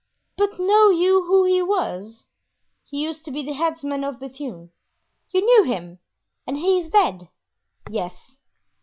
but know you who he was?" "He used to be the headsman of Bethune." "You knew him? and he is dead?" "Yes."